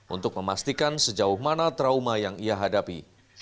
untuk memastikan sejauh mana trauma yang ia hadapi